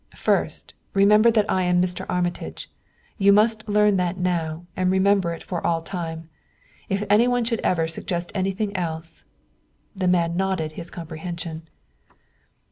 First, remember that I am Mr. Armitage; you must learn that now, and remember it for all time. And if any one should ever suggest anything else " The man nodded his comprehension.